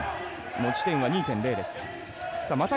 持ち点は２．０です。